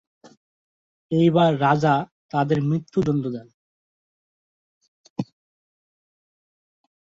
এইবার রাজা তাদের মৃত্যুদণ্ড দেন।